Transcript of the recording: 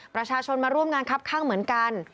ประชาชนมาร่วมงานครับข้างเหมือนกัน